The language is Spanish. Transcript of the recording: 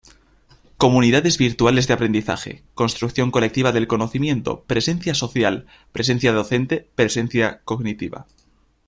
Comunidades virtuales de aprendizaje; construcción colectiva del conocimiento; presencia social; presencia docente, presencia cognitiva.